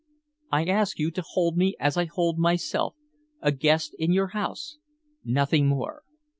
I ask you to hold me as I hold myself, a guest in your house, nothing more.